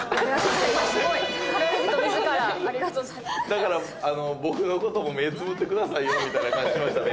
だから僕の事も目つぶってくださいよみたいな感じしましたね